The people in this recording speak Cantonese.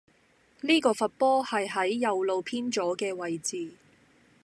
呢個罰波係喺右路偏左既位置